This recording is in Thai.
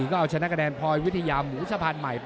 หรือว่าผู้สุดท้ายมีสิงคลอยวิทยาหมูสะพานใหม่